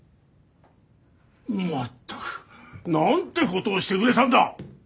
まったく。なんて事をしてくれたんだ！